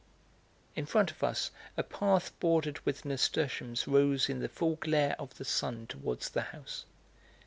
In front of us a path bordered with nasturtiums rose in the full glare of the sun towards the house.